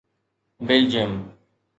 Belgium